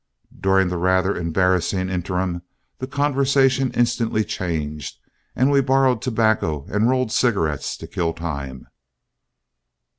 During the rather embarrassing interim, the conversation instantly changed, and we borrowed tobacco and rolled cigarettes to kill time.